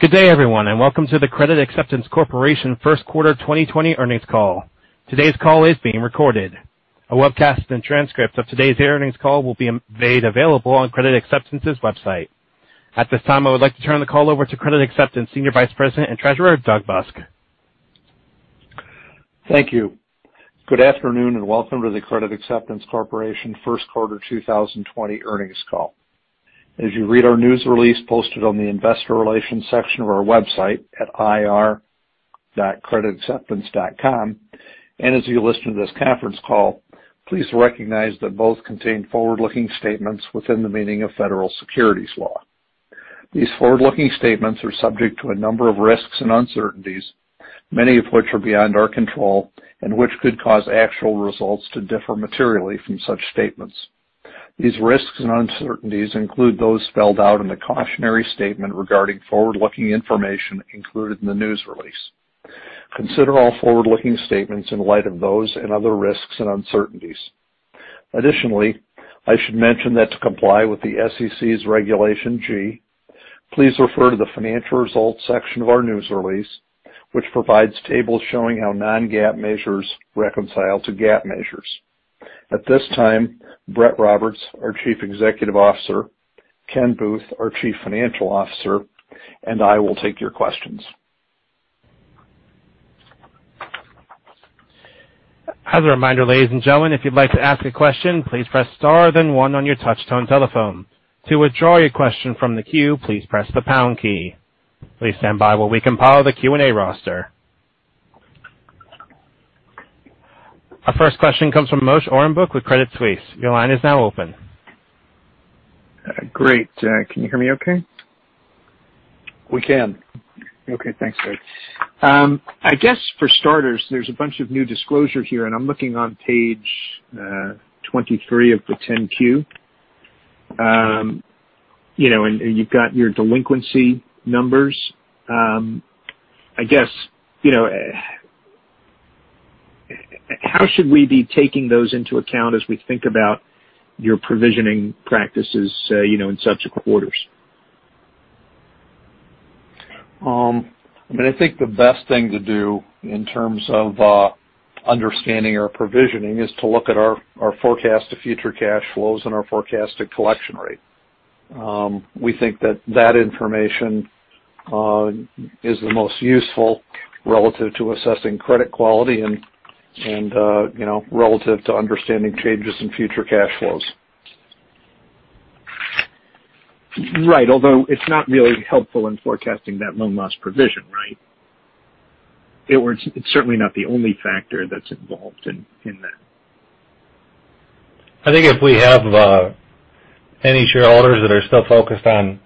Good day, everyone, and welcome to the Credit Acceptance Corporation First Quarter 2020 earnings call. Today's call is being recorded. A webcast and transcript of today's earnings call will be made available on Credit Acceptance's website. At this time, I would like to turn the call over to Credit Acceptance Senior Vice President and Treasurer, Doug Busk. Thank you. Good afternoon, and welcome to the Credit Acceptance Corporation First Quarter 2020 earnings call. As you read our news release posted on the investor relations section of our website at ir.creditacceptance.com, and as you listen to this conference call, please recognize that both contain forward-looking statements within the meaning of Federal Securities law. These forward-looking statements are subject to a number of risks and uncertainties, many of which are beyond our control and which could cause actual results to differ materially from such statements. These risks and uncertainties include those spelled out in the cautionary statement regarding forward-looking information included in the news release. Consider all forward-looking statements in light of those and other risks and uncertainties. Additionally, I should mention that to comply with the SEC's Regulation G, please refer to the financial results section of our news release, which provides tables showing how non-GAAP measures reconcile to GAAP measures. At this time, Brett Roberts, our Chief Executive Officer, Ken Booth, our Chief Financial Officer, and I will take your questions. As a reminder, ladies and gentlemen, if you'd like to ask a question, please press star then one on your touch-tone telephone. To withdraw your question from the queue, please press the pound key. Please stand by while we compile the Q&A roster. Our first question comes from Moshe Orenbuch with Credit Suisse. Your line is now open. Great. Can you hear me okay? We can. Okay. Thanks, guys. I guess for starters, there's a bunch of new disclosure here, and I'm looking on page 23 of the 10-Q. You've got your delinquency numbers. How should we be taking those into account as we think about your provisioning practices in subsequent quarters? I think the best thing to do in terms of understanding our provisioning is to look at our forecast of future cash flows and our forecasted collection rate. We think that that information is the most useful relative to assessing credit quality and relative to understanding changes in future cash flows. Right. Although it's not really helpful in forecasting that loan loss provision, right? It's certainly not the only factor that's involved in that. I think if we have any shareholders that are still focused on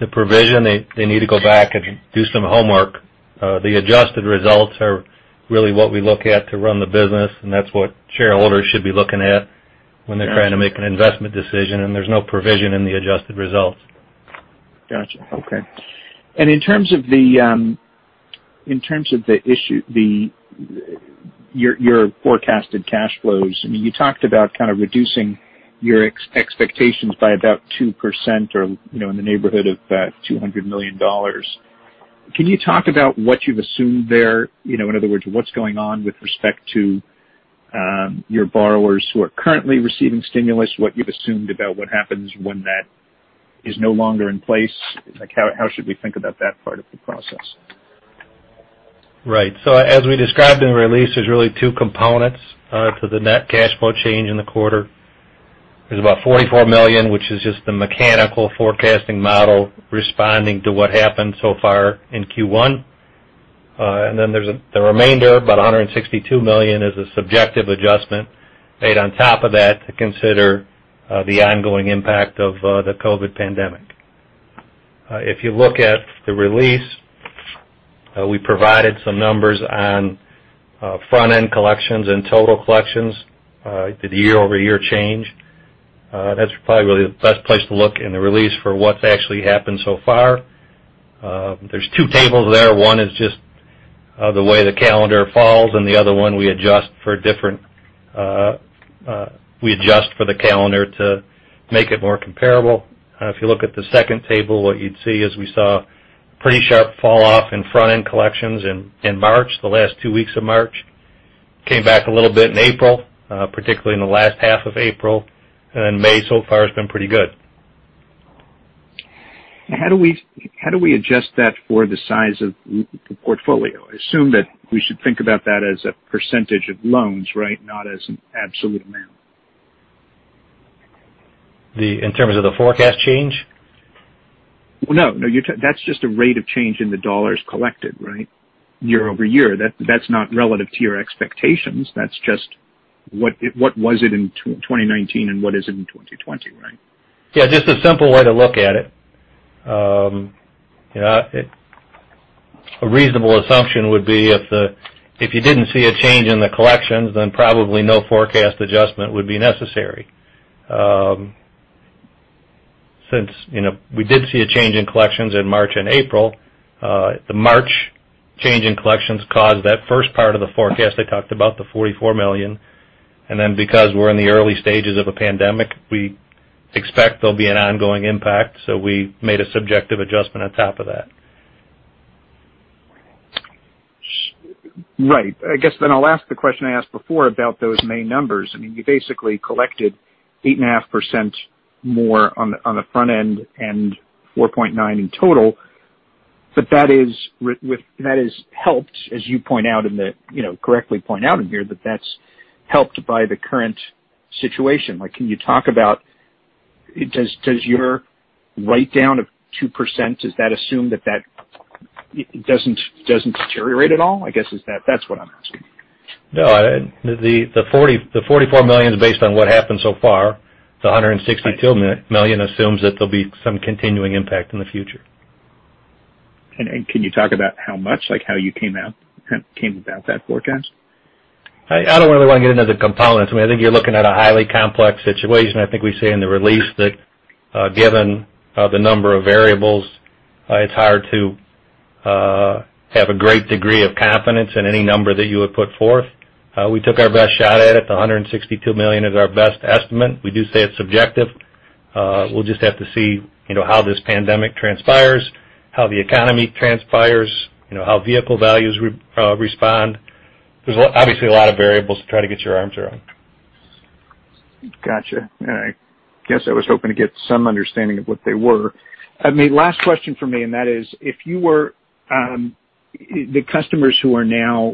the provision, they need to go back and do some homework. The adjusted results are really what we look at to run the business. That's what shareholders should be looking at when they're trying to make an investment decision. There's no provision in the adjusted results. Got you. Okay. In terms of your forecasted cash flows, you talked about kind of reducing your expectations by about 2% or in the neighborhood of $200 million. Can you talk about what you've assumed there? In other words, what's going on with respect to your borrowers who are currently receiving stimulus, what you've assumed about what happens when that is no longer in place? How should we think about that part of the process? Right. As we described in the release, there's really two components to the net cash flow change in the quarter. There's about $44 million, which is just the mechanical forecasting model responding to what happened so far in Q1. Then there's the remainder, about $162 million, is a subjective adjustment made on top of that to consider the ongoing impact of the COVID pandemic. If you look at the release, we provided some numbers on front-end collections and total collections, the year-over-year change. That's probably really the best place to look in the release for what's actually happened so far. There's two tables there. One is just the way the calendar falls, and the other one we adjust for the calendar to make it more comparable. If you look at the second table, what you'd see is we saw pretty sharp fall off in front-end collections in March, the last two weeks of March. Came back a little bit in April, particularly in the last half of April, and then May so far has been pretty good. How do we adjust that for the size of the portfolio? I assume that we should think about that as a percentage of loans, right? Not as an absolute amount. In terms of the forecast change? No. That's just a rate of change in the dollars collected, right? Year-over-year. That's not relative to your expectations. That's just what was it in 2019 and what is it in 2020, right? Yeah, just a simple way to look at it. A reasonable assumption would be if you didn't see a change in the collections, then probably no forecast adjustment would be necessary. Since we did see a change in collections in March and April, the March change in collections caused that first part of the forecast I talked about, the $44 million. Because we're in the early stages of a pandemic, we expect there'll be an ongoing impact. We made a subjective adjustment on top of that. Right. I guess I'll ask the question I asked before about those main numbers. You basically collected 8.5% more on the front end and 4.9% in total. That is helped, as you correctly point out in here, that that's helped by the current situation. Does your write down of 2%, does that assume that that doesn't deteriorate at all? I guess that's what I'm asking. No, the $44 million is based on what happened so far. The $162 million assumes that there'll be some continuing impact in the future. Can you talk about how much, like how you came about that forecast? I don't really want to get into the components. I think you're looking at a highly complex situation. I think we say in the release that, given the number of variables, it's hard to have a great degree of confidence in any number that you would put forth. We took our best shot at it. The $162 million is our best estimate. We do say it's subjective. We'll just have to see how this pandemic transpires, how the economy transpires, how vehicle values respond. There's obviously a lot of variables to try to get your arms around. Got you. I guess I was hoping to get some understanding of what they were. Last question from me, and that is, if you were the customers you're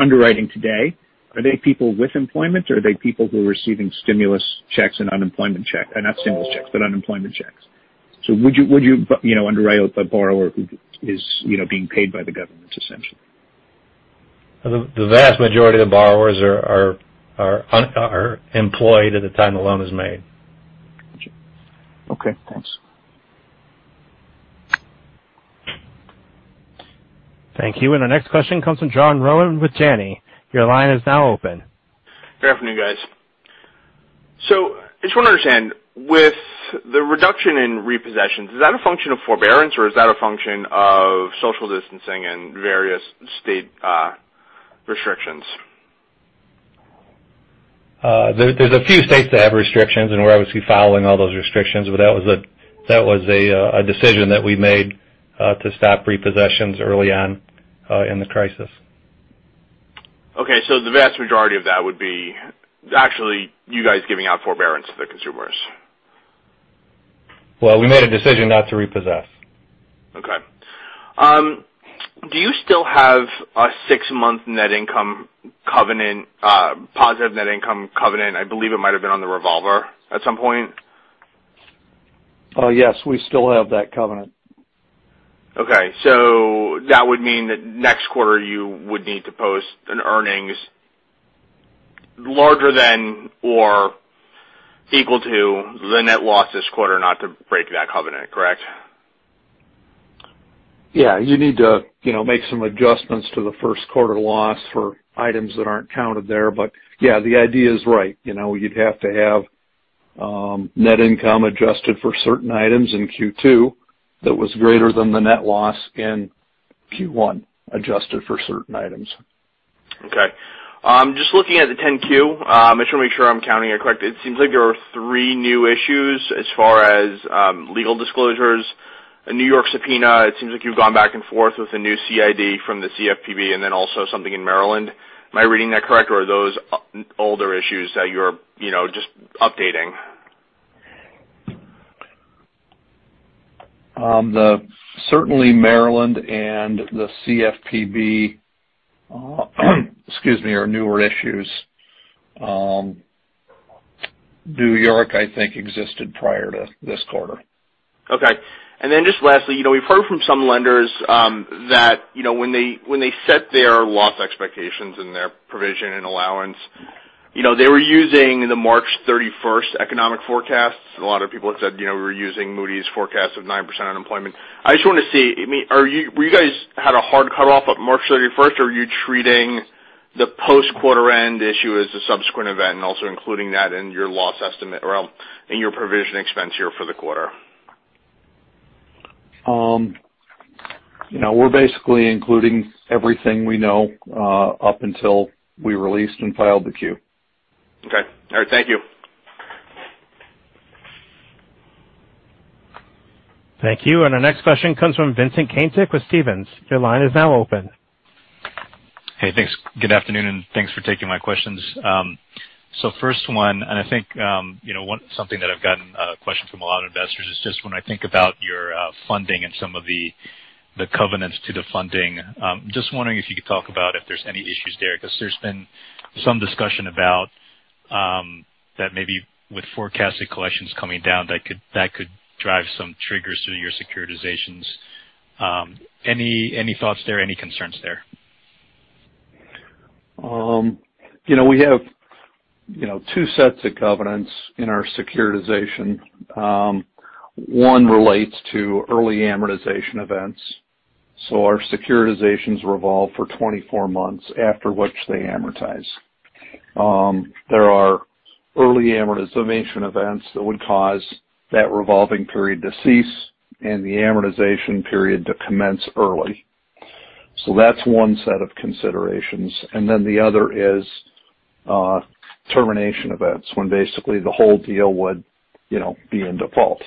underwriting today, are they people with employment or are they people who are receiving stimulus checks and unemployment checks? Would you underwrite a borrower who is being paid by the government, essentially? The vast majority of the borrowers are employed at the time the loan is made. Got you. Okay, thanks. Thank you. Our next question comes from John Rowan with Janney. Your line is now open. Good afternoon, guys. I just want to understand, with the reduction in repossessions, is that a function of forbearance or is that a function of social distancing and various state restrictions? There's a few states that have restrictions, and we're obviously following all those restrictions. That was a decision that we made to stop repossessions early on in the crisis. Okay. The vast majority of that would be actually you guys giving out forbearance to the consumers. Well, we made a decision not to repossess. Do you still have a six-month net income covenant, positive net income covenant? I believe it might've been on the revolver at some point. Yes, we still have that covenant. Okay. That would mean that next quarter you would need to post an earnings larger than or equal to the net loss this quarter not to break that covenant, correct? Yeah, you need to make some adjustments to the first quarter loss for items that aren't counted there. Yeah, the idea is right. You'd have to have net income adjusted for certain items in Q2 that was greater than the net loss in Q1, adjusted for certain items. Okay. Just looking at the 10-Q, making sure I'm counting it correctly. It seems like there were three new issues as far as legal disclosures. A New York subpoena, it seems like you've gone back and forth with a new CID from the CFPB and then also something in Maryland. Am I reading that correctly, or are those older issues that you're just updating? Certainly Maryland and the CFPB are newer issues. New York, I think existed prior to this quarter. Okay. Just lastly, we've heard from some lenders that when they set their loss expectations and their provision and allowance, they were using the March 31st economic forecasts. A lot of people have said, we were using Moody's forecast of 9% unemployment. I just want to see, were you guys had a hard cutoff at March 31st, or are you treating the post-quarter-end issue as a subsequent event and also including that in your loss estimate or in your provision expense here for the quarter? We're basically including everything we know up until we released and filed the Q. Okay. All right. Thank you. Thank you. Our next question comes from Vincent Caintic with Stephens. Your line is now open. Hey, thanks. Good afternoon, and thanks for taking my questions. First one. I think something that I've gotten a question from a lot of investors is just when I think about your funding and some of the covenants to the funding. Just wondering if you could talk about if there's any issues there, because there's been some discussion about that maybe with forecasted collections coming down, that could drive some triggers to your securitizations. Any thoughts there, any concerns there? We have two sets of covenants in our securitization. One relates to early amortization events. Our securitizations revolve for 24 months, after which they amortize. There are Early amortization events that would cause that revolving period to cease and the amortization period to commence early. That's one set of considerations. The other is termination events, when basically the whole deal would be in default.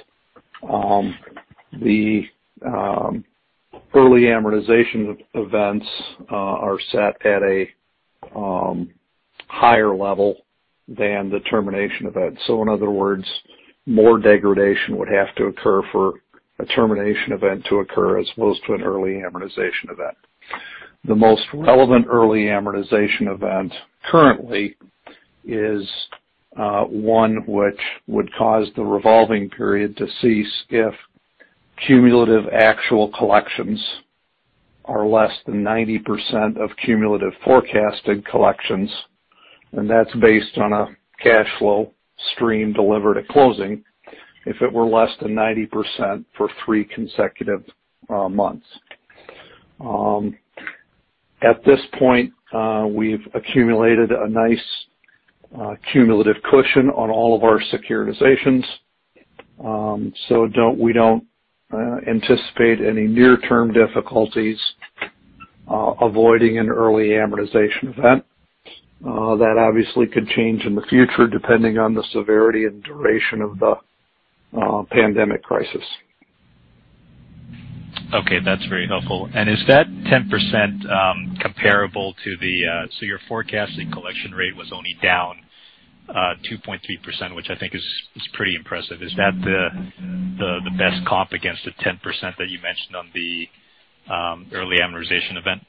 The early amortization events are set at a higher level than the termination event. In other words, more degradation would have to occur for a termination event to occur as opposed to an early amortization event. The most relevant early amortization event currently is one which would cause the revolving period to cease if cumulative actual collections are less than 90% of cumulative forecasted collections, and that's based on a cash flow stream delivered at closing, if it were less than 90% for three consecutive months. At this point, we've accumulated a nice cumulative cushion on all of our securitizations. We don't anticipate any near-term difficulties avoiding an early amortization event. That obviously could change in the future, depending on the severity and duration of the pandemic crisis. Okay, that's very helpful. Your forecasting collection rate was only down 2.3%, which I think is pretty impressive. Is that the best comp against the 10% that you mentioned on the early amortization event?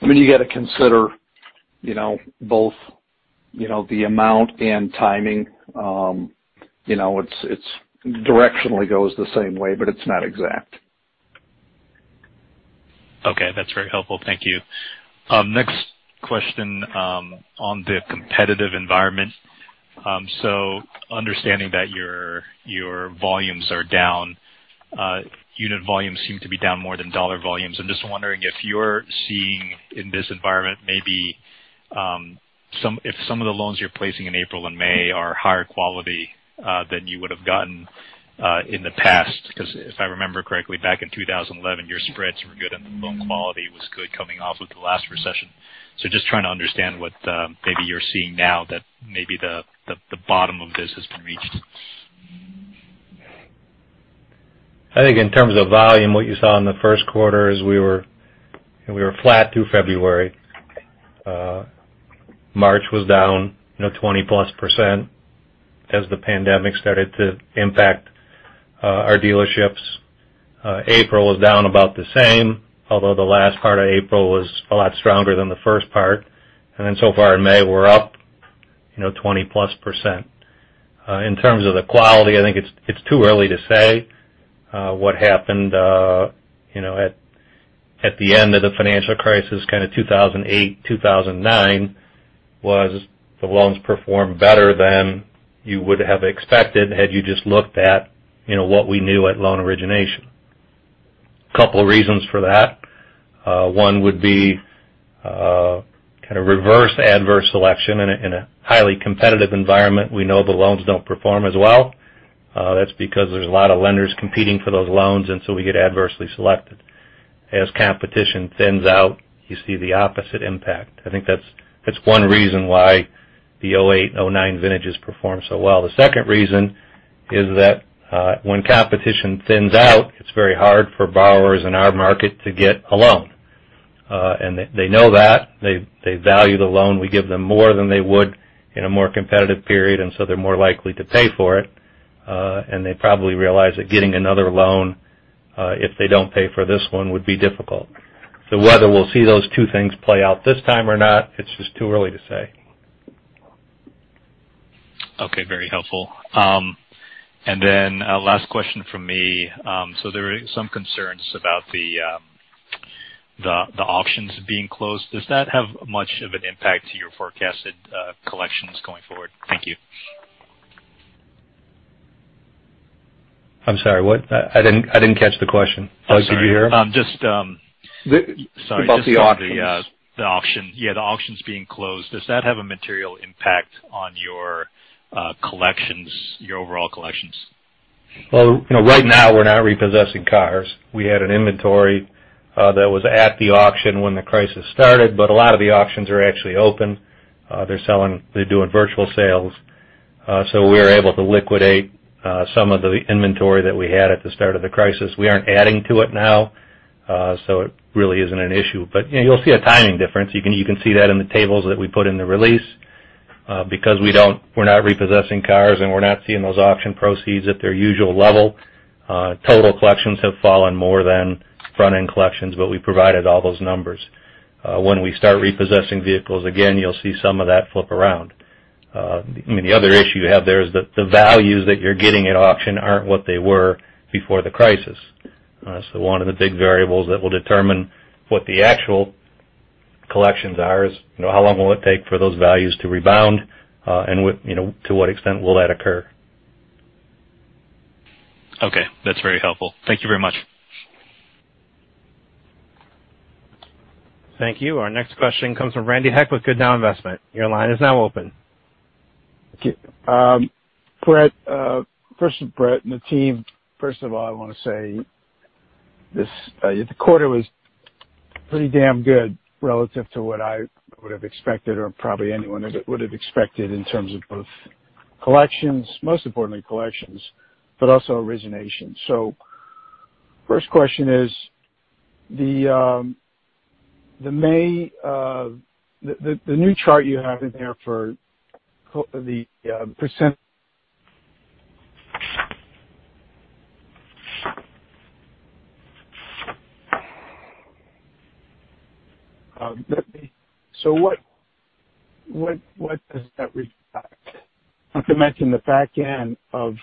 You got to consider both the amount and timing. It directionally goes the same way, but it's not exact. Okay, that's very helpful. Thank you. Next question on the competitive environment. Understanding that your volumes are down. Unit volumes seem to be down more than dollar volumes. I'm just wondering if you're seeing in this environment, maybe if some of the loans you're placing in April and May are higher quality than you would have gotten in the past. Because if I remember correctly, back in 2011, your spreads were good and the loan quality was good coming off of the last recession. Just trying to understand what maybe you're seeing now that maybe the bottom of this has been reached. I think in terms of volume, what you saw in the first quarter is we were flat through February. March was down 20%+ as the pandemic started to impact our dealerships. April was down about the same, the last part of April was a lot stronger than the first part. So far in May, we're up 20%+. In terms of the quality, I think it's too early to say. What happened at the end of the financial crisis, kind of 2008, 2009, was the loans performed better than you would have expected had you just looked at what we knew at loan origination. Couple of reasons for that. One would be kind of reverse adverse selection in a highly competitive environment. We know the loans don't perform as well. That's because there's a lot of lenders competing for those loans, and so we get adversely selected. As competition thins out, you see the opposite impact. I think that's one reason why the 2008 and 2009 vintages performed so well. The second reason is that when competition thins out, it's very hard for borrowers in our market to get a loan. They know that. They value the loan. We give them more than they would in a more competitive period, and so they're more likely to pay for it. They probably realize that getting another loan, if they don't pay for this one, would be difficult. Whether we'll see those two things play out this time or not, it's just too early to say. Okay. Very helpful. Last question from me. There are some concerns about the auctions being closed. Does that have much of an impact to your forecasted collections going forward? Thank you. I'm sorry, what? I didn't catch the question. Could you hear him? Sorry. About the auctions. Yeah, the auctions being closed. Does that have a material impact on your overall collections? Well, right now we're not repossessing cars. We had an inventory that was at the auction when the crisis started. A lot of the auctions are actually open. They're doing virtual sales. We were able to liquidate some of the inventory that we had at the start of the crisis. We aren't adding to it now. It really isn't an issue. You'll see a timing difference. You can see that in the tables that we put in the release. Because we're not repossessing cars and we're not seeing those auction proceeds at their usual level, total collections have fallen more than front-end collections. We provided all those numbers. When we start repossessing vehicles again, you'll see some of that flip around. The other issue you have there is that the values that you're getting at auction aren't what they were before the crisis. One of the big variables that will determine what the actual collections are is how long will it take for those values to rebound, and to what extent will that occur? Okay. That's very helpful. Thank you very much. Thank you. Our next question comes from Randy Heck with Goodnow Investment. Your line is now open. Brett, first, Brett and the team. I want to say this quarter was pretty damn good relative to what I would have expected or probably anyone would have expected in terms of both collections, most importantly collections, but also origination. First question is the new chart you have in there for the percent. Not to mention the back end of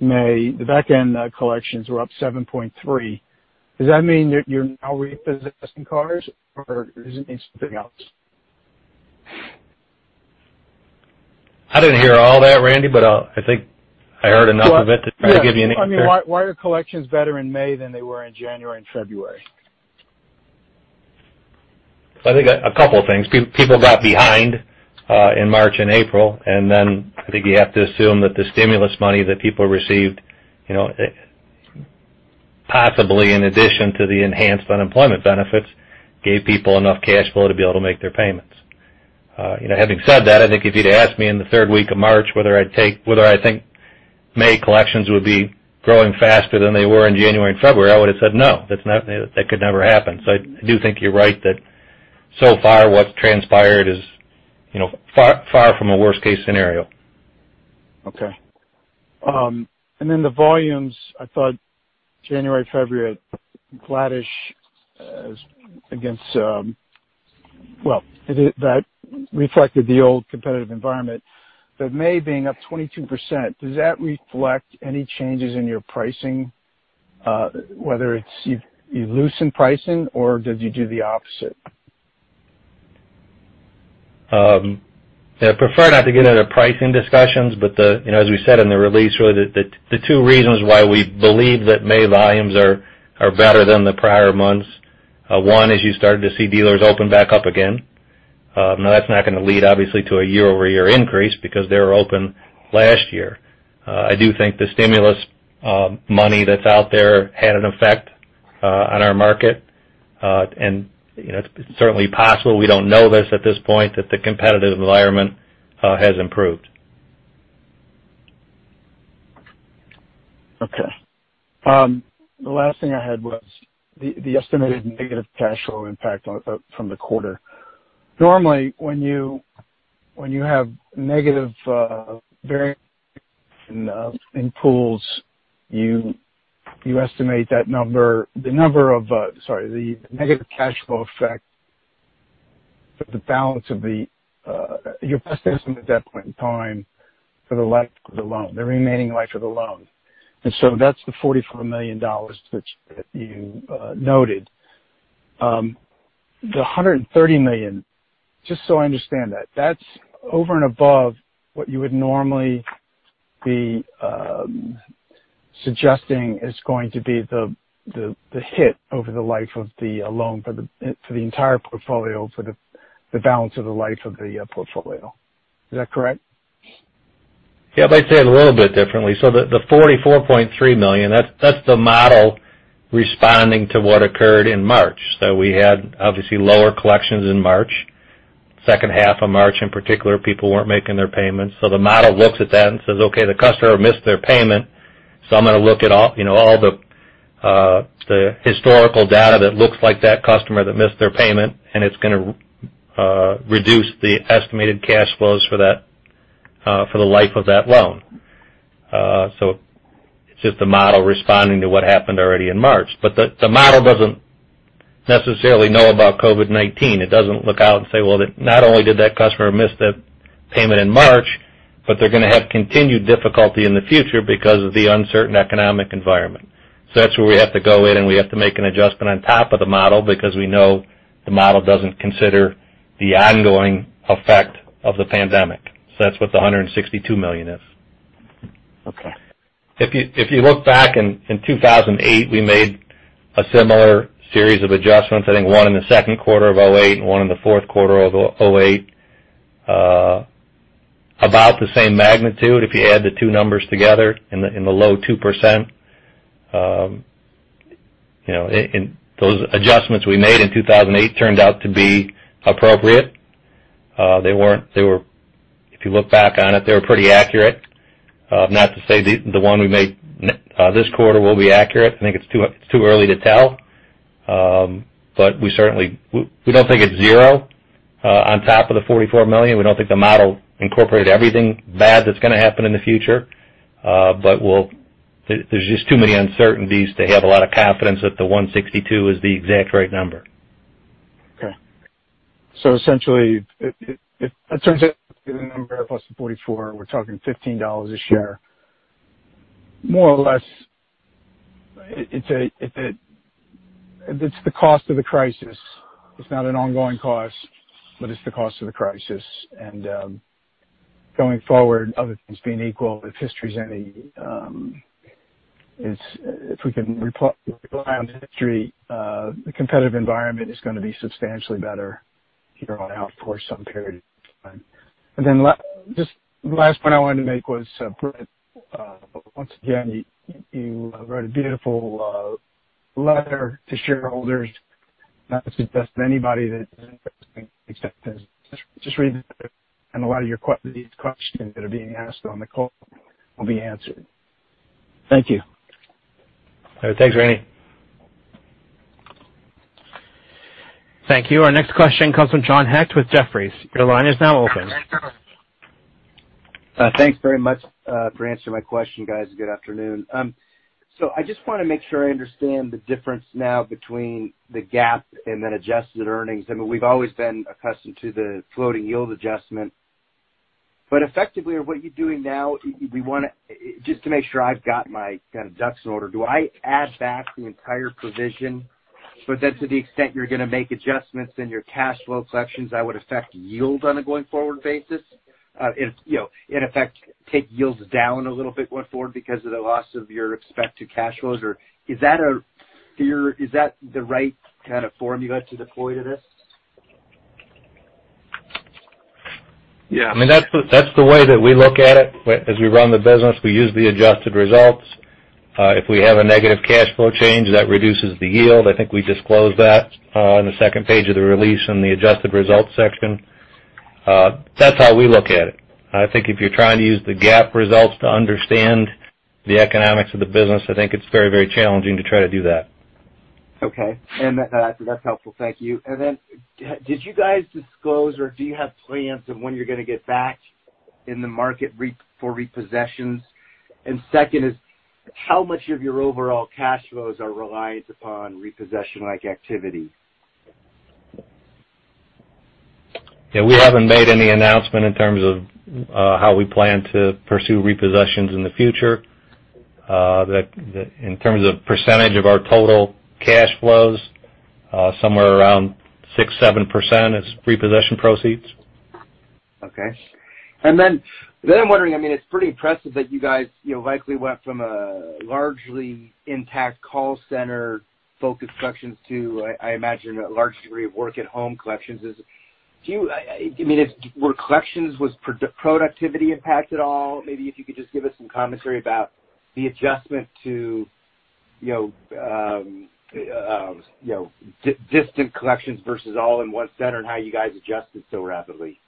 May, the back end collections were up 7.3. Does that mean that you're now repossessing cars or is it something else? I didn't hear all that, Randy, but I think I heard enough of it to try to give you an answer. Why are collections better in May than they were in January and February? I think a couple things. People got behind in March and April, and then I think you have to assume that the stimulus money that people received, possibly in addition to the enhanced unemployment benefits, gave people enough cash flow to be able to make their payments. Having said that, I think if you'd asked me in the third week of March whether I think May collections would be growing faster than they were in January and February, I would have said, "No. That could never happen." I do think you're right that so far what's transpired is far from a worst case scenario. Okay. The volumes, I thought January, February, flattish as against Well, that reflected the old competitive environment, but May being up 22%, does that reflect any changes in your pricing? Whether it's you loosen pricing or did you do the opposite? I prefer not to get into pricing discussions, but as we said in the release, really the two reasons why we believe that May volumes are better than the prior months. One is you started to see dealers open back up again. That's not going to lead obviously to a year-over-year increase because they were open last year. I do think the stimulus money that's out there had an effect on our market. It's certainly possible, we don't know this at this point, that the competitive environment has improved. Okay. The last thing I had was the estimated negative cash flow impact from the quarter. Normally when you have negative variance in pools, you estimate that number. You estimate at that point in time for the life of the loan, the remaining life of the loan. That's the $44 million that you noted. The $130 million, just so I understand that's over and above what you would normally be suggesting is going to be the hit over the life of the loan for the entire portfolio, for the balance of the life of the portfolio. Is that correct? Yeah. I'd say it a little bit differently. The $44.3 million, that's the model responding to what occurred in March. We had obviously lower collections in March. Second half of March in particular, people weren't making their payments. The model looks at that and says, "Okay, the customer missed their payment. I'm going to look at all the historical data that looks like that customer that missed their payment, and it's going to reduce the estimated cash flows for the life of that loan." It's just the model responding to what happened already in March. The model doesn't necessarily know about COVID-19. It doesn't look out and say, "Well, not only did that customer miss that payment in March, but they're going to have continued difficulty in the future because of the uncertain economic environment." That's where we have to go in, and we have to make an adjustment on top of the model because we know the model doesn't consider the ongoing effect of the pandemic. That's what the $162 million is. Okay. If you look back in 2008, we made a similar series of adjustments. I think one in the second quarter of 2008 and one in the fourth quarter of 2008. About the same magnitude if you add the two numbers together in the low 2%. Those adjustments we made in 2008 turned out to be appropriate. If you look back on it, they were pretty accurate. Not to say the one we made this quarter will be accurate. I think it's too early to tell. We don't think it's zero on top of the $44 million. We don't think the model incorporated everything bad that's going to happen in the future. There's just too many uncertainties to have a lot of confidence that the $162 million is the exact right number. Okay. Essentially, it turns out to be the number plus the 44. We're talking $15 a share, more or less. It's the cost of the crisis. It's not an ongoing cost, but it's the cost of the crisis. Going forward, other things being equal, if we can rely on history, the competitive environment is going to be substantially better here on out for some period of time. Just the last point I wanted to make was, Brett, once again, you wrote a beautiful letter to shareholders. I suggest anybody that is interested in Credit Acceptance just read the letter, and a lot of these questions that are being asked on the call will be answered. Thank you. Thanks, Randy. Thank you. Our next question comes from John Hecht with Jefferies. Your line is now open. Thanks very much for answering my question, guys. Good afternoon. I just want to make sure I understand the difference now between the GAAP and then adjusted earnings. I mean, we've always been accustomed to the floating yield adjustment. Effectively, what you're doing now, just to make sure I've got my kind of ducks in order, do I add back the entire provision? To the extent you're going to make adjustments in your cash flow collections, that would affect yield on a going forward basis? In effect, take yields down a little bit going forward because of the loss of your expected cash flows, or is that the right kind of formula to deploy to this? Yeah. I mean, that's the way that we look at it. As we run the business, we use the adjusted results. If we have a negative cash flow change, that reduces the yield. I think we disclose that on the second page of the release in the adjusted results section. That's how we look at it. I think if you're trying to use the GAAP results to understand the economics of the business, I think it's very, very challenging to try to do that. Okay. That's helpful. Thank you. Did you guys disclose, or do you have plans of when you're going to get back in the market for repossessions? Second is, how much of your overall cash flows are reliant upon repossession-like activity? We haven't made any announcement in terms of how we plan to pursue repossessions in the future. In terms of percentage of our total cash flows, somewhere around 6%, 7% is repossession proceeds. Okay. I'm wondering, I mean, it's pretty impressive that you guys likely went from a largely intact call center-focused collections to, I imagine, a large degree of work-at-home collections. Were collections, was productivity impacted at all? Maybe if you could just give us some commentary about the adjustment to distant collections versus all in one center and how you guys adjusted so rapidly?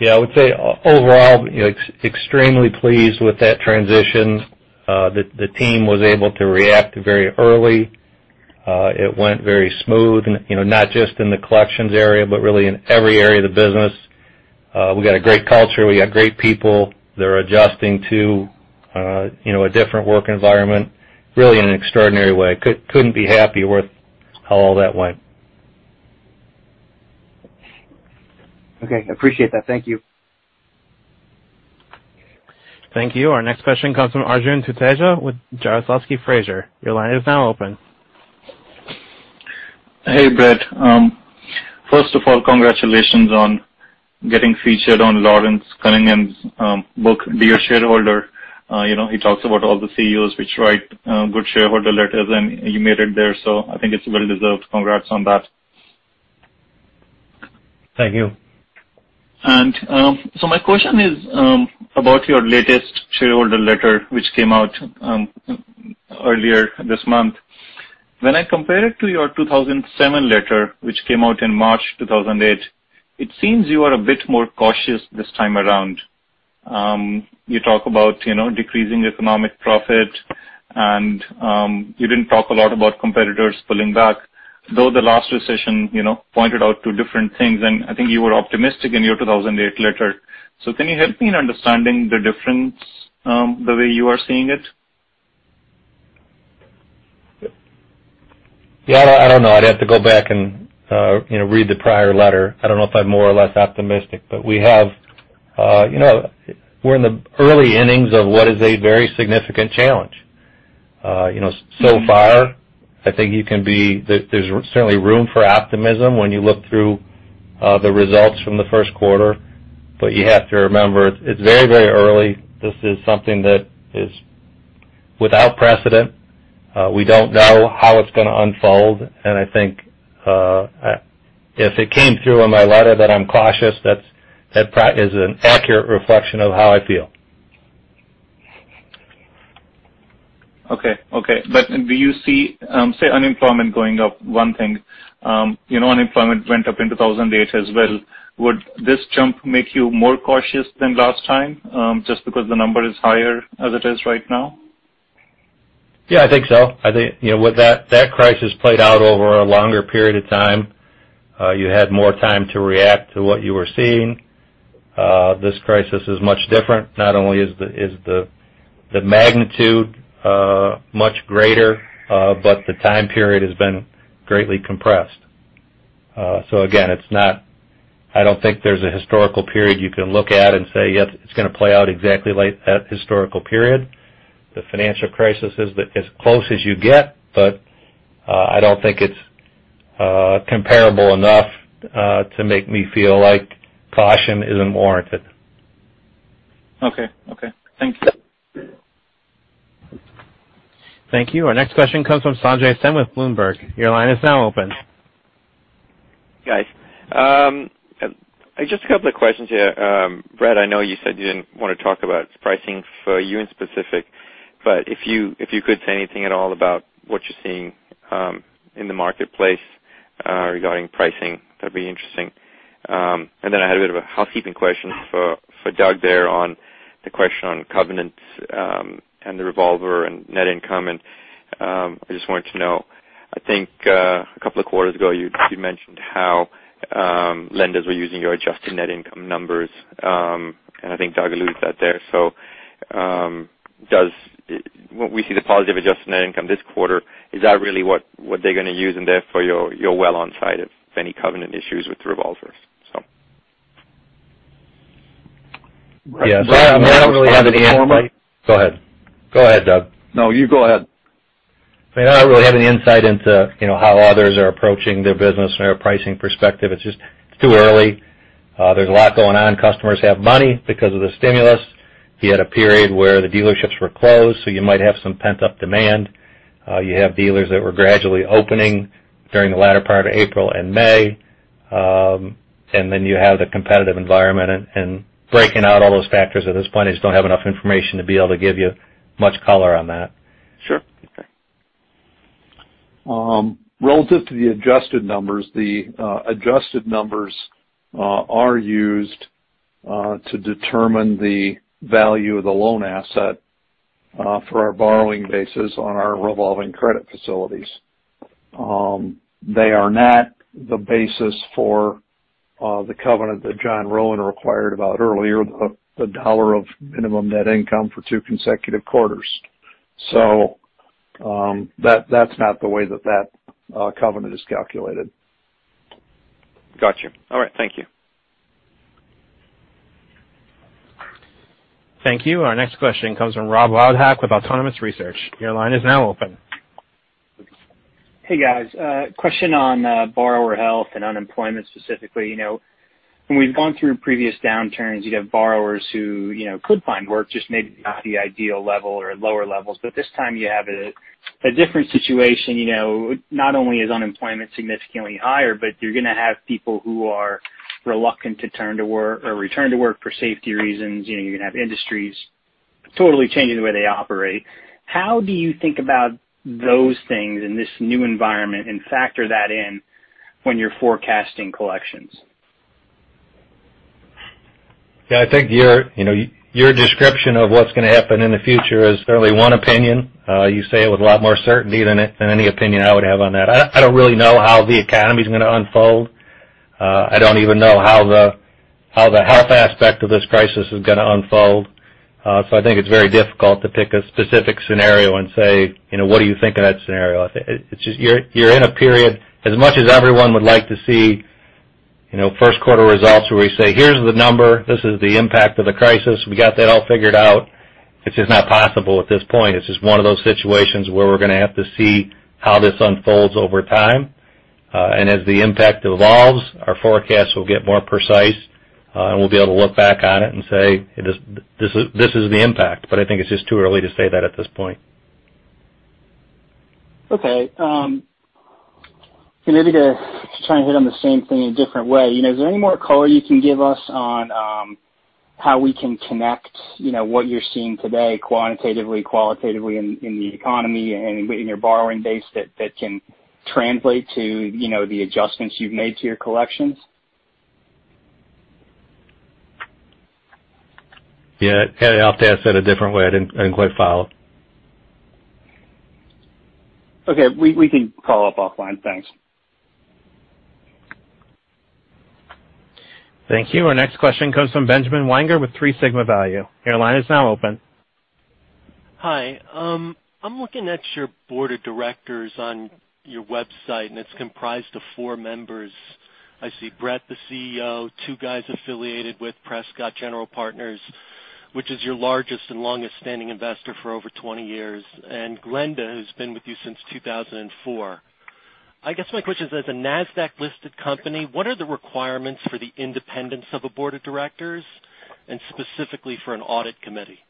I would say overall, extremely pleased with that transition. The team was able to react very early. It went very smooth, not just in the collections area, but really in every area of the business. We got a great culture. We got great people that are adjusting to a different work environment really in an extraordinary way. Couldn't be happier with how all that went. Okay. Appreciate that. Thank you. Thank you. Our next question comes from Arjun Tuteja with Jarislowsky Fraser. Your line is now open. Hey, Brett. First of all, congratulations on getting featured on Lawrence Cunningham's book, "Dear Shareholder." He talks about all the CEOs which write good shareholder letters, and you made it there, so I think it's well deserved. Congrats on that. Thank you. My question is about your latest shareholder letter, which came out earlier this month. When I compare it to your 2007 letter, which came out in March 2008, it seems you are a bit more cautious this time around. You talk about decreasing economic profit, and you didn't talk a lot about competitors pulling back, though the last recession pointed out to different things, and I think you were optimistic in your 2008 letter. Can you help me in understanding the difference the way you are seeing it? Yeah, I don't know. I'd have to go back and read the prior letter. I don't know if I'm more or less optimistic. We're in the early innings of what is a very significant challenge. So far, I think there's certainly room for optimism when you look through the results from the first quarter. You have to remember, it's very, very early. This is something that is without precedent. We don't know how it's going to unfold. I think if it came through on my letter that I'm cautious, that is an accurate reflection of how I feel. Okay. Do you see, say, unemployment going up, one thing? Unemployment went up in 2008 as well. Would this jump make you more cautious than last time just because the number is higher as it is right now? Yeah, I think so. I think that crisis played out over a longer period of time. You had more time to react to what you were seeing. This crisis is much different. Not only is the magnitude much greater, but the time period has been greatly compressed. Again, I don't think there's a historical period you can look at and say, "Yep, it's going to play out exactly like that historical period." The financial crisis is as close as you get, but I don't think it's comparable enough to make me feel like caution isn't warranted. Okay. Thank you. Thank you. Our next question comes from Sanjay Sen with Bloomberg. Your line is now open. Guys, just a couple of questions here. Brett, I know you said you didn't want to talk about pricing for you in specific, but if you could say anything at all about what you're seeing in the marketplace regarding pricing, that'd be interesting. I had a bit of a housekeeping question for Doug there on the question on covenants and the revolver and net income. I just wanted to know, I think, a couple of quarters ago, you mentioned how lenders were using your adjusted net income numbers. I think Doug alluded to that there. When we see the positive adjusted net income this quarter, is that really what they're going to use and therefore you're well on side of any covenant issues with the revolvers? Yeah. I don't really have any insight. Go ahead, Doug. No, you go ahead. I mean, I don't really have any insight into how others are approaching their business from a pricing perspective. It's just too early. There's a lot going on. Customers have money because of the stimulus. You had a period where the dealerships were closed, so you might have some pent-up demand. You have dealers that were gradually opening during the latter part of April and May. You have the competitive environment. Breaking out all those factors at this point, I just don't have enough information to be able to give you much color on that. Sure. Okay. Relative to the adjusted numbers, the adjusted numbers are used to determine the value of the loan asset for our borrowing basis on our revolving credit facilities. They are not the basis for the covenant that John Rowan inquired about earlier, the dollar of minimum net income for two consecutive quarters. That's not the way that covenant is calculated. Got you. All right. Thank you. Thank you. Our next question comes from Robert Wildhack with Autonomous Research. Your line is now open. Hey, guys. A question on borrower health and unemployment specifically. When we've gone through previous downturns, you'd have borrowers who could find work, just maybe not the ideal level or at lower levels. This time you have a different situation. Not only is unemployment significantly higher, but you're going to have people who are reluctant to return to work for safety reasons. You're going to have industries totally changing the way they operate. How do you think about those things in this new environment and factor that in when you're forecasting collections? Yeah, I think your description of what's going to happen in the future is certainly one opinion. You say it with a lot more certainty than any opinion I would have on that. I don't really know how the economy's going to unfold. I don't even know how the health aspect of this crisis is going to unfold. I think it's very difficult to pick a specific scenario and say, "What do you think of that scenario?" I think you're in a period, as much as everyone would like to see first quarter results where we say, "Here's the number. This is the impact of the crisis. We got that all figured out." It's just not possible at this point. It's just one of those situations where we're going to have to see how this unfolds over time. As the impact evolves, our forecasts will get more precise, and we'll be able to look back on it and say, "This is the impact." I think it's just too early to say that at this point. Okay. Maybe to try and hit on the same thing in a different way. Is there any more color you can give us on how we can connect what you're seeing today quantitatively, qualitatively in the economy and in your borrowing base that can translate to the adjustments you've made to your collections? Yeah. You'll have to ask that a different way. I didn't quite follow. Okay. We can call up offline. Thanks. Thank you. Our next question comes from Benjamin Weinger with 3-Sigma Value. Your line is now open. Hi. I'm looking at your board of directors on your website, and it's comprised of four members. I see Brett, the CEO, two guys affiliated with Prescott General Partners, which is your largest and longest-standing investor for over 20 years, and Glenda, who's been with you since 2004. I guess my question is, as a Nasdaq-listed company, what are the requirements for the independence of a board of directors, and specifically for an audit committee?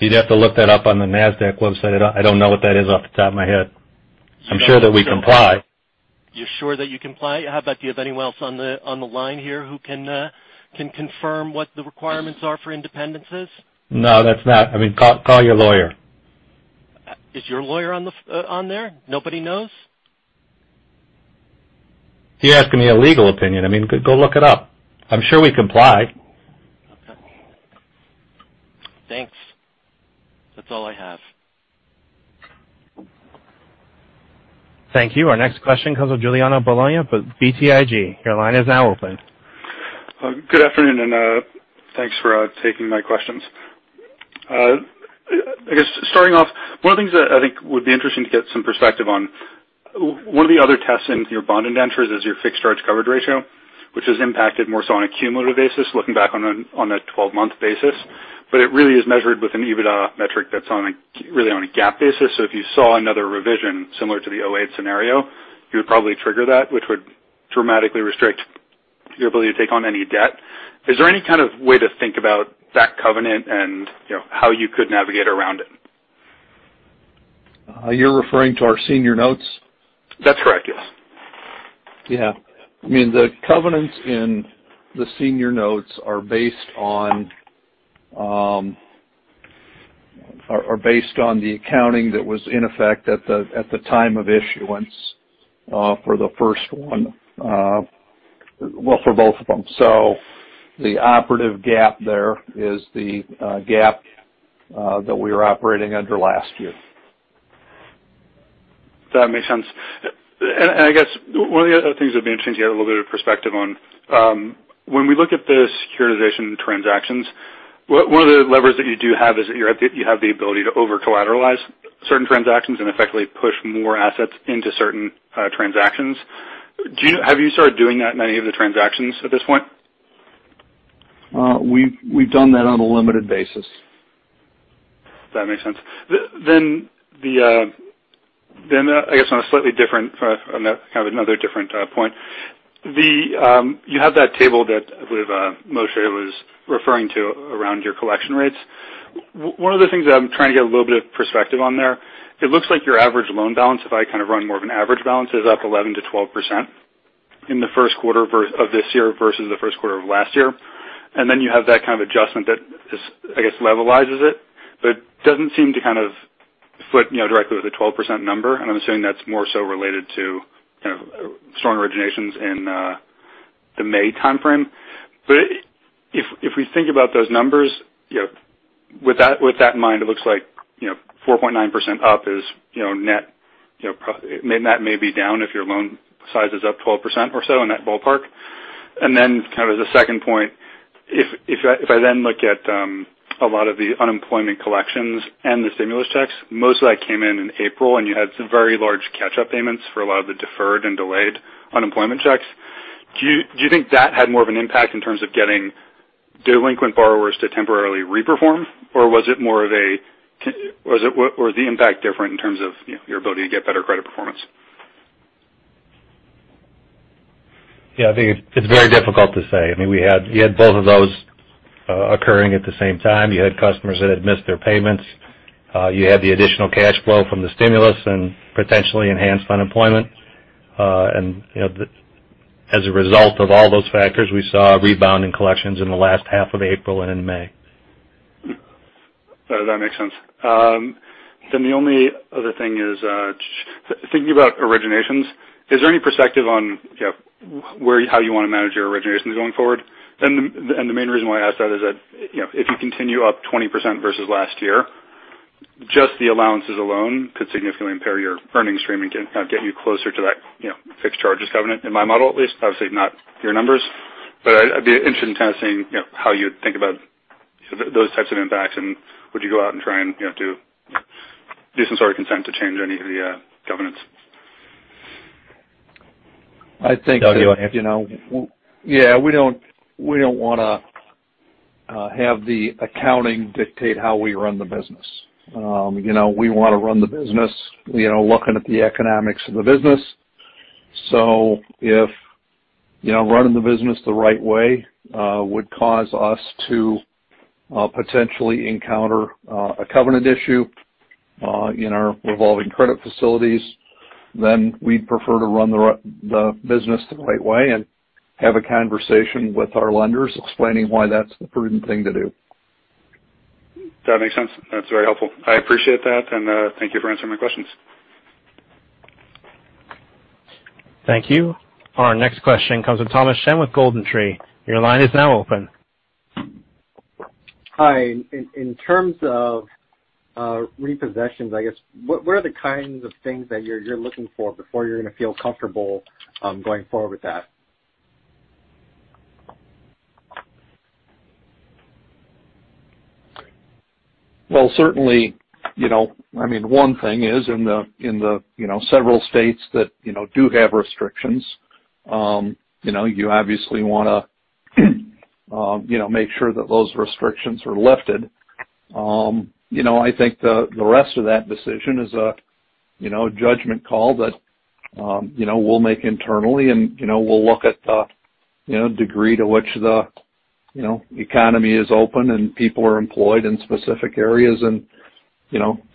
You'd have to look that up on the Nasdaq website. I don't know what that is off the top of my head. I'm sure that we comply. You're sure that you comply? How about, do you have anyone else on the line here who can confirm what the requirements are for independences? No, that's not I mean, call your lawyer. Is your lawyer on there? Nobody knows? You're asking me a legal opinion. I mean, go look it up. I'm sure we comply. Okay. Thanks. That's all I have. Thank you. Our next question comes from Giuliano Bologna with BTIG. Your line is now open. Good afternoon. Thanks for taking my questions. One of the other tests in your bond indentures is your fixed charge coverage ratio, which is impacted more so on a cumulative basis, looking back on a 12-month basis. It really is measured with an EBITDA metric that's really on a GAAP basis. If you saw another revision similar to the 2008 scenario, you would probably trigger that, which would dramatically restrict your ability to take on any debt. Is there any kind of way to think about that covenant and how you could navigate around it? You're referring to our senior notes? That's correct, yes. Yeah. The covenants in the senior notes are based on the accounting that was in effect at the time of issuance for the first one. Well, for both of them. The operative GAAP there is the GAAP that we were operating under last year. That makes sense. I guess one of the other things I'd be interested to get a little bit of perspective on, when we look at the securitization transactions, one of the levers that you do have is that you have the ability to over-collateralize certain transactions and effectively push more assets into certain transactions. Have you started doing that in any of the transactions at this point? We've done that on a limited basis. That makes sense. I guess on another different point. You have that table that I believe Moshe was referring to around your collection rates. One of the things that I'm trying to get a little bit of perspective on there, it looks like your average loan balance, if I run more of an average balance, is up 11%-12% in the first quarter of this year versus the first quarter of last year. You have that kind of adjustment that I guess levelizes it doesn't seem to kind of foot directly with the 12% number, I'm assuming that's more so related to kind of strong originations in the May timeframe. If we think about those numbers, with that in mind, it looks like 4.9% up is net. Net may be down if your loan size is up 12% or so, in that ballpark. Kind of as a second point, if I look at a lot of the unemployment collections and the stimulus checks, most of that came in in April, and you had some very large catch-up payments for a lot of the deferred and delayed unemployment checks. Do you think that had more of an impact in terms of getting delinquent borrowers to temporarily re-perform, or was the impact different in terms of your ability to get better credit performance? Yeah, I think it's very difficult to say. You had both of those occurring at the same time. You had customers that had missed their payments. You had the additional cash flow from the stimulus and potentially enhanced unemployment. As a result of all those factors, we saw a rebound in collections in the last half of April and in May. That makes sense. The only other thing is, thinking about originations, is there any perspective on how you want to manage your originations going forward? The main reason why I ask that is that if you continue up 20% versus last year, just the allowances alone could significantly impair your earnings stream and kind of get you closer to that fixed charges covenant, in my model at least. Obviously not your numbers. I'd be interested in kind of seeing how you think about those types of impacts, and would you go out and try to do some sort of consent to change any of the covenants? Doug, do you want to? Yeah. We don't want to have the accounting dictate how we run the business. We want to run the business looking at the economics of the business. If running the business the right way would cause us to potentially encounter a covenant issue in our revolving credit facilities, then we'd prefer to run the business the right way and have a conversation with our lenders explaining why that's the prudent thing to do. That makes sense. That's very helpful. I appreciate that, and thank you for answering my questions. Thank you. Our next question comes with Thomas Shen with GoldenTree. Your line is now open. Hi. In terms of repossessions, I guess, what are the kinds of things that you're looking for before you're going to feel comfortable going forward with that? Well, certainly, one thing is in the several states that do have restrictions, you obviously want to make sure that those restrictions are lifted. I think the rest of that decision is a judgment call that we'll make internally, and we'll look at the degree to which the economy is open and people are employed in specific areas and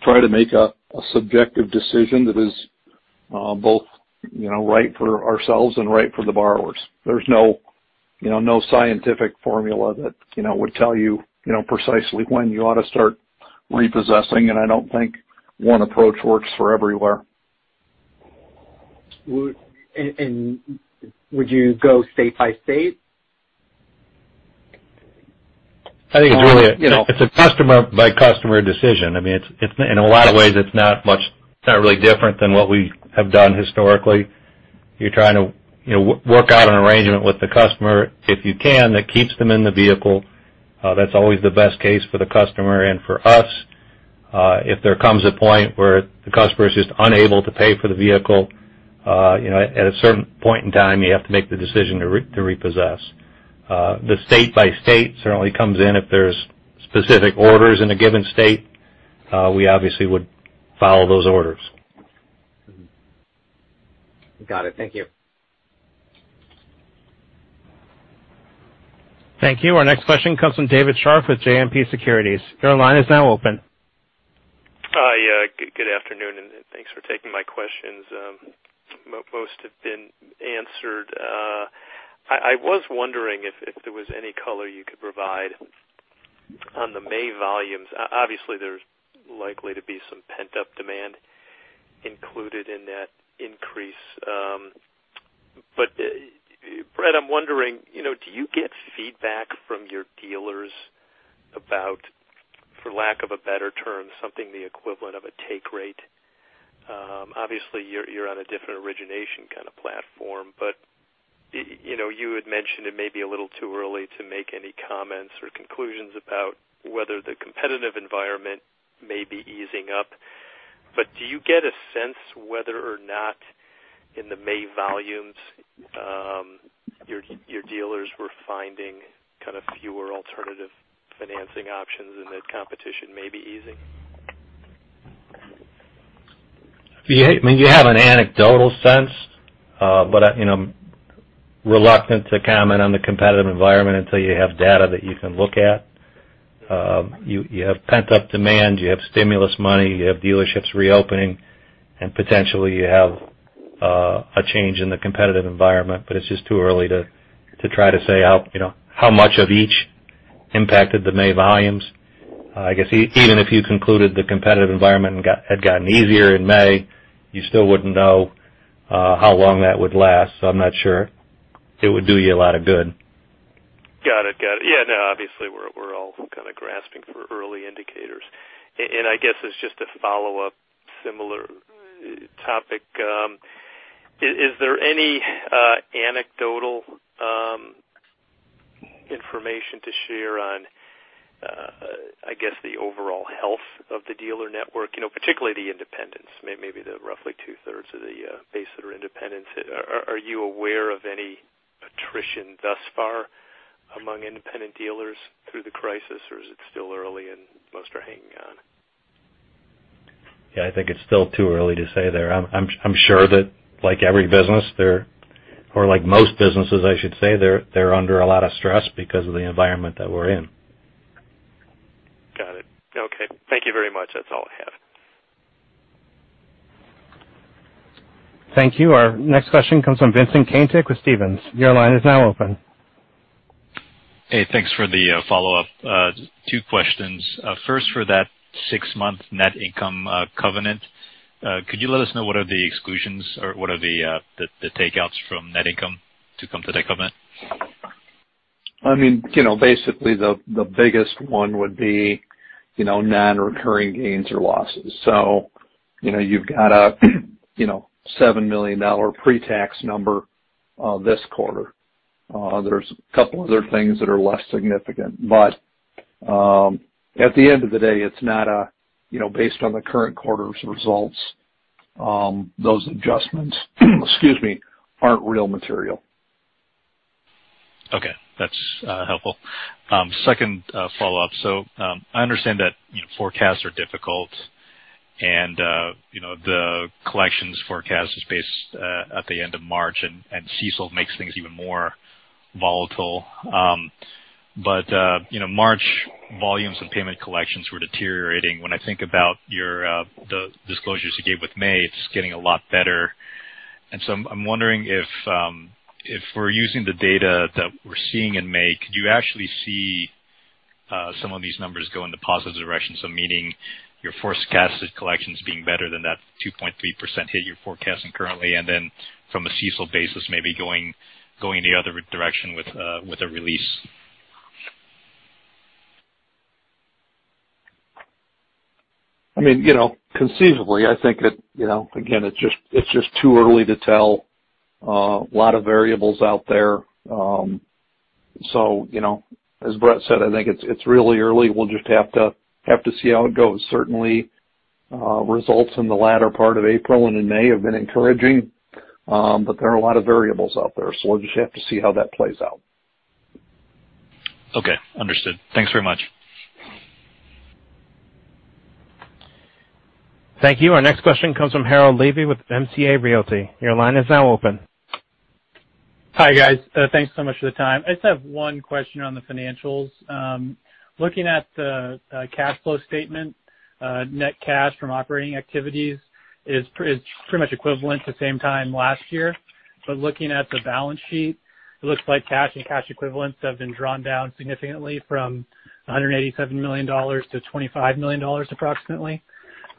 try to make a subjective decision that is both right for ourselves and right for the borrowers. There's no scientific formula that would tell you precisely when you ought to start repossessing, and I don't think one approach works for everywhere. Would you go state by state? I think it's a customer-by-customer decision. In a lot of ways, it's not really different than what we have done historically. You're trying to work out an arrangement with the customer, if you can, that keeps them in the vehicle. That's always the best case for the customer and for us. If there comes a point where the customer is just unable to pay for the vehicle, at a certain point in time, you have to make the decision to repossess. The state-by-state certainly comes in. If there's specific orders in a given state, we obviously would follow those orders. Got it. Thank you. Thank you. Our next question comes from David Scharf with JMP Securities. Your line is now open. Hi. Good afternoon, and thanks for taking my questions. Most have been answered. I was wondering if there was any color you could provide on the May volumes. There's likely to be some pent-up demand included in that increase. Brett, I'm wondering, do you get feedback from your dealers about, for lack of a better term, something the equivalent of a take rate? You're on a different origination kind of platform. You had mentioned it may be a little too early to make any comments or conclusions about whether the competitive environment may be easing up. Do you get a sense whether or not in the May volumes your dealers were finding kind of fewer alternative financing options and that competition may be easing? You have an anecdotal sense, but I'm reluctant to comment on the competitive environment until you have data that you can look at. You have pent-up demand, you have stimulus money, you have dealerships reopening, and potentially you have a change in the competitive environment, but it's just too early to try to say how much of each impacted the May volumes. I guess even if you concluded the competitive environment had gotten easier in May, you still wouldn't know how long that would last. I'm not sure it would do you a lot of good. No, obviously, we're all kind of grasping for early indicators. I guess as just a follow-up, similar topic, is there any anecdotal information to share on, I guess, the overall health of the dealer network, particularly the independents, maybe the roughly 2/3 of the base that are independents? Are you aware of any attrition thus far among independent dealers through the crisis? Is it still early and most are hanging on? Yeah, I think it's still too early to say there. I'm sure that like every business there, or like most businesses, I should say, they're under a lot of stress because of the environment that we're in. Got it. Okay. Thank you very much. That's all I have. Thank you. Our next question comes from Vincent Caintic with Stephens. Your line is now open. Hey, thanks for the follow-up. Two questions. First, for that six-month net income covenant, could you let us know what are the exclusions or what are the takeouts from net income to come to that covenant? Basically, the biggest one would be non-recurring gains or losses. You've got a $7 million pre-tax number this quarter. There's a couple other things that are less significant. At the end of the day, it's not based on the current quarter's results. Those adjustments, excuse me, aren't real material. Okay. That's helpful. Second follow-up. I understand that forecasts are difficult and the collections forecast is based at the end of March, and CECL makes things even more volatile. March volumes and payment collections were deteriorating. When I think about the disclosures you gave with May, it's getting a lot better. I'm wondering if we're using the data that we're seeing in May, could you actually see some of these numbers go in the positive direction? Meaning your forecasted collections being better than that 2.3% hit you're forecasting currently, and then from a CECL basis, maybe going the other direction with a release. Conceivably, I think, again, it's just too early to tell. A lot of variables out there. As Brett said, I think it's really early. We'll just have to see how it goes. Certainly, results in the latter part of April and in May have been encouraging. There are a lot of variables out there, so we'll just have to see how that plays out. Okay. Understood. Thanks very much. Thank you. Our next question comes from Harold Levy with MCA Realty. Your line is now open. Hi, guys. Thanks so much for the time. I just have one question on the financials. Looking at the cash flow statement, net cash from operating activities is pretty much equivalent to same time last year. Looking at the balance sheet, it looks like cash and cash equivalents have been drawn down significantly from $187 million to $25 million approximately.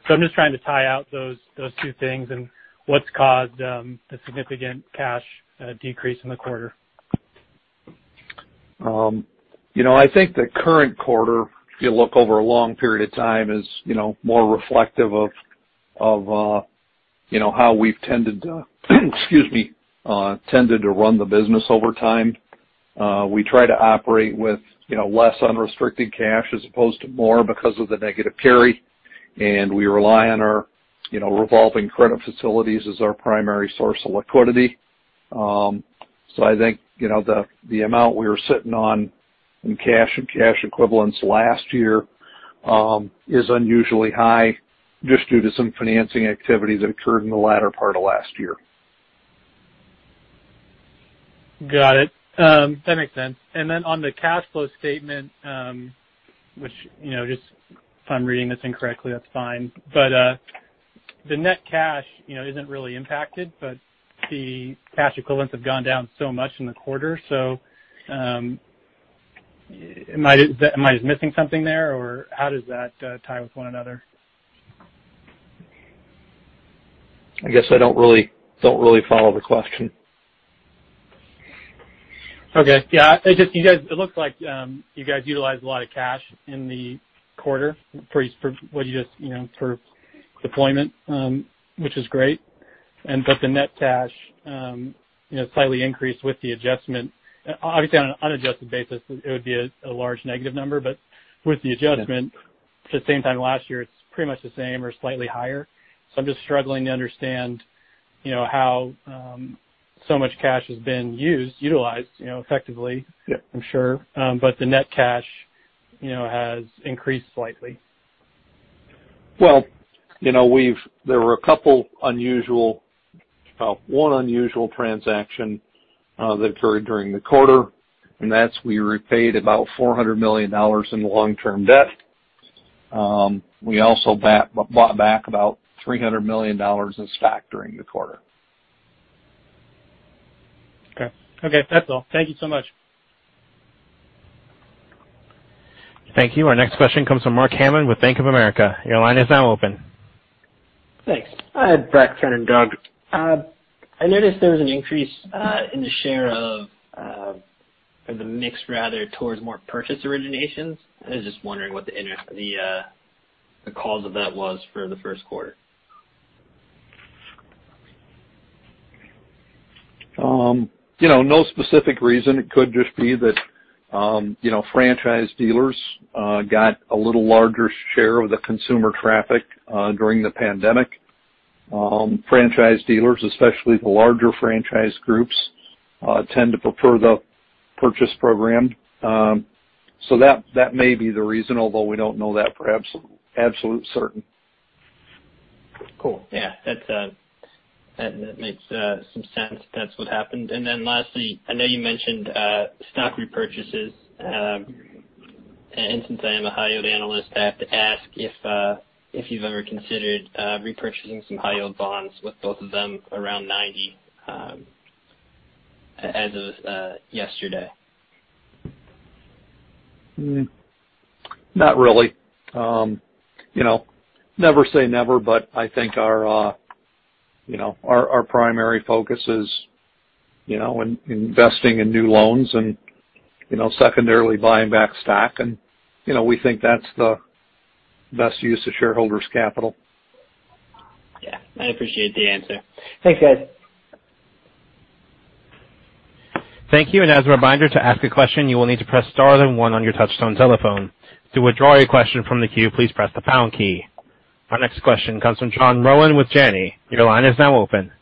I'm just trying to tie out those two things and what's caused the significant cash decrease in the quarter. I think the current quarter, if you look over a long period of time, is more reflective of how we've tended to run the business over time. We try to operate with less unrestricted cash as opposed to more because of the negative carry. We rely on our revolving credit facilities as our primary source of liquidity. I think, the amount we were sitting on in cash and cash equivalents last year is unusually high just due to some financing activity that occurred in the latter part of last year. Got it. That makes sense. On the cash flow statement, which, if I'm reading this incorrectly, that's fine, but the net cash isn't really impacted, but the cash equivalents have gone down so much in the quarter. Am I missing something there, or how does that tie with one another? I guess I don't really follow the question. Yeah. It looks like you guys utilized a lot of cash in the quarter for deployment, which is great. The net cash slightly increased with the adjustment. Obviously, on an unadjusted basis, it would be a large negative number, but with the adjustment to the same time last year, it's pretty much the same or slightly higher. I'm just struggling to understand how so much cash has been utilized effectively- Yeah. I'm sure. The net cash has increased slightly. Well, there were one unusual transaction that occurred during the quarter, and that's we repaid about $400 million in long-term debt. We also bought back about $300 million in stock during the quarter. Okay. That's all. Thank you so much. Thank you. Our next question comes from Mark Hammond with Bank of America. Your line is now open. Thanks. Brett, Ken, and Doug. I noticed there was an increase in the share of the mix rather towards more purchase originations. I was just wondering what the cause of that was for the first quarter. No specific reason. It could just be that franchise dealers got a little larger share of the consumer traffic during the pandemic. Franchise dealers, especially the larger franchise groups, tend to prefer the Purchase Program. That may be the reason, although we don't know that for absolute certain. Cool. Yeah. That makes some sense. That's what happened. Lastly, I know you mentioned stock repurchases. Since I am a high-yield analyst, I have to ask if you've ever considered repurchasing some high-yield bonds with both of them around 90 as of yesterday. Not really. Never say never, but I think our primary focus is investing in new loans and secondarily buying back stock. We think that's the best use of shareholders' capital. Yeah. I appreciate the answer. Thanks, guys. Thank you. As a reminder, to ask a question, you will need to press star then one on your touchtone telephone. To withdraw your question from the queue, please press the pound key. Our next question comes from John Rowan with Janney. Your line is now open.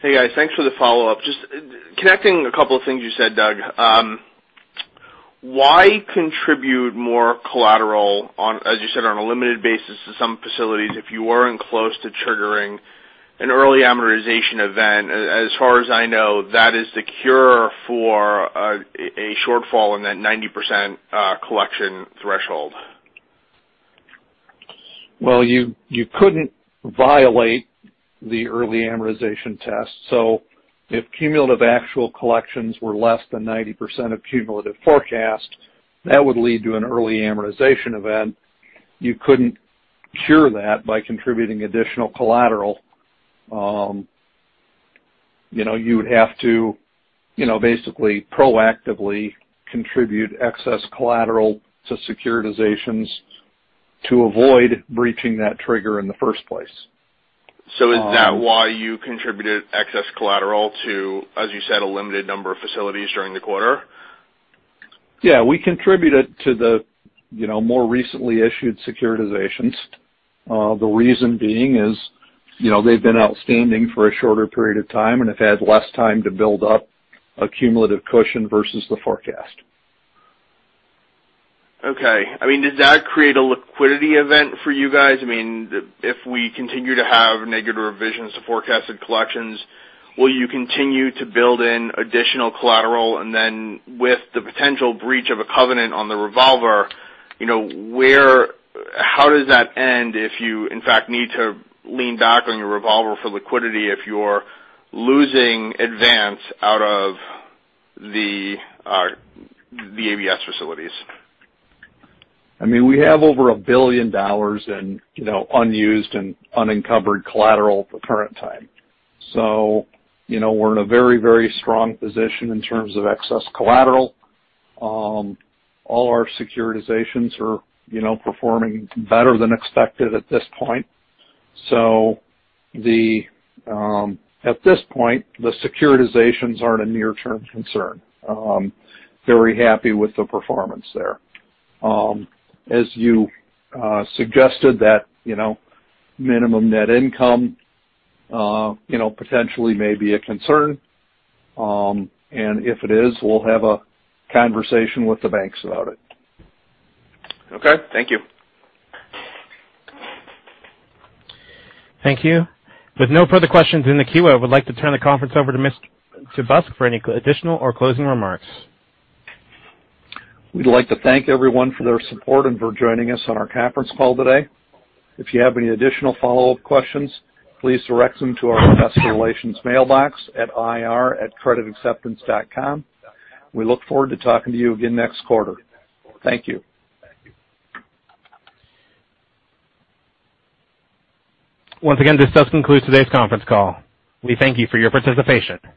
Hey, guys. Thanks for the follow-up. Just connecting a couple of things you said, Doug. Why contribute more collateral on, as you said, on a limited basis to some facilities if you weren't close to triggering an early amortization event? As far as I know, that is the cure for a shortfall in that 90% collection threshold. Well, you couldn't violate the early amortization test. If cumulative actual collections were less than 90% of cumulative forecast, that would lead to an early amortization event. You couldn't cure that by contributing additional collateral. You would have to basically proactively contribute excess collateral to securitizations to avoid breaching that trigger in the first place. Is that why you contributed excess collateral to, as you said, a limited number of facilities during the quarter? We contributed to the more recently issued securitizations. The reason being is they've been outstanding for a shorter period of time and have had less time to build up a cumulative cushion versus the forecast. Does that create a liquidity event for you guys? If we continue to have negative revisions to forecasted collections, will you continue to build in additional collateral, and then with the potential breach of a covenant on the revolver, how does that end if you, in fact, need to lean back on your revolver for liquidity if you're losing advance out of the ABS facilities? We have over $1 billion in unused and unencumbered collateral at the current time. We're in a very strong position in terms of excess collateral. All our securitizations are performing better than expected at this point. At this point, the securitizations aren't a near-term concern. Very happy with the performance there. As you suggested that minimum net income potentially may be a concern. If it is, we'll have a conversation with the banks about it. Okay. Thank you. Thank you. With no further questions in the queue, I would like to turn the conference over to Busk for any additional or closing remarks. We'd like to thank everyone for their support and for joining us on our conference call today. If you have any additional follow-up questions, please direct them to our investor relations mailbox at ir@creditacceptance.com. We look forward to talking to you again next quarter. Thank you. Once again, this does conclude today's conference call. We thank you for your participation.